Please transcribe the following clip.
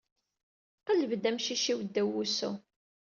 Qelleb-d amcic-iw ddaw wusu.